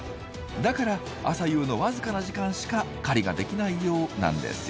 だから朝夕の僅かな時間しか狩りができないようなんですよ。